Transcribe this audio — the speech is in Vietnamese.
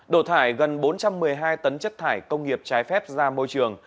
đổ thải gần bốn trăm một mươi hai tấn chất thải công nghiệp trái phép ra môi trường